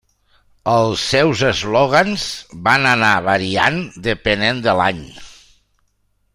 Els seus eslògans van anar variant depenent de l'any.